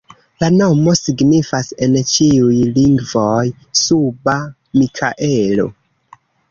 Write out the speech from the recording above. La nomo signifas en ĉiuj lingvoj: suba Mikaelo.